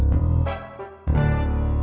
jidakan saya ibu